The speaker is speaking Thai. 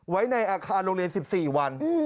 ไว้ในอาคารโรงเรียน๑๔วัน